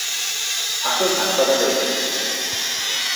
আসুন হাসপাতালে উঠি।